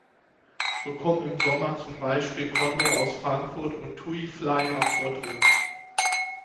So kommen im Sommer zum Beispiel Condor aus Frankfurt und Tuifly nach Bodrum.